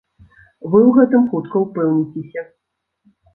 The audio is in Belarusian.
Вы ў гэтым хутка ўпэўніцеся.